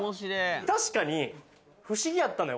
確かに不思議やったのよ